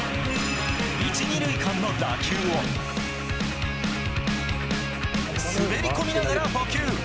１、２塁間の打球を、滑り込みながら捕球。